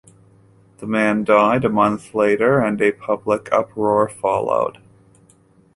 The man died a month later and a public uproar followed.